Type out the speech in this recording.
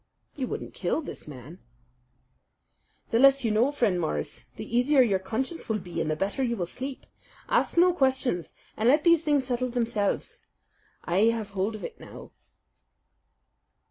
"You wouldn't kill this man?" "The less you know, Friend Morris, the easier your conscience will be, and the better you will sleep. Ask no questions, and let these things settle themselves. I have hold of it now."